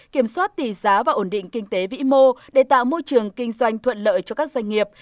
kiểm soát tỷ giá và ổn định kinh tế vĩ mô để tạo môi trường kinh doanh thuận lợi cho các doanh nghiệp